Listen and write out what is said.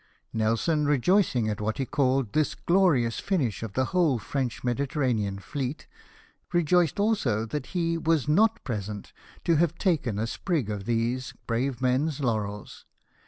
Nelson, rejoicing at what he called this glorious finish to the whole French Mediterranean fleet, rejoiced also that he was not present to have taken a sprig of these brave men's laurels.